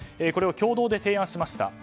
これを共同で提案しました。